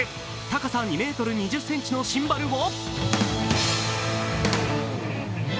高さ２ｍ２０ｃｍのシンバルを。